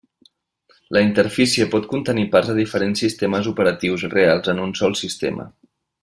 La interfície pot contenir parts de diferents sistemes operatius reals en un sol sistema.